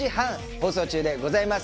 放送中でございます。